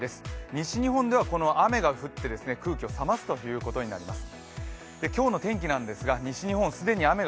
西日本では雨が降って空気を冷ますということになります。